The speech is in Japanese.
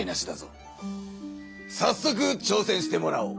さっそくちょうせんしてもらおう。